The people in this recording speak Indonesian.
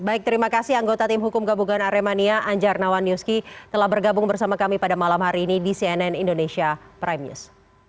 baik terima kasih anggota tim hukum gabungan aremania anjar nawanyuski telah bergabung bersama kami pada malam hari ini di cnn indonesia prime news